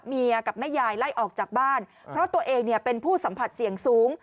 กับแม่ยายไล่ออกจากบ้านเพราะตัวเองเป็นผู้สัมผัสเสี่ยงสูง